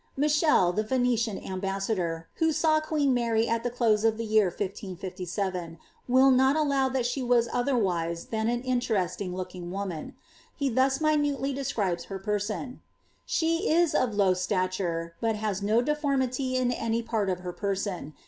Michele, the Venetian ambassador, who saw queen Mary at the close of the year 1557, will not allow that she was otherwise than an interest iog looking woman ; he thus minutely describes her person :—^^ She is of low stature, but has no deformity in any part of her person.